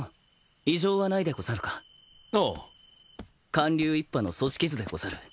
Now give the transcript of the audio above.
観柳一派の組織図でござる。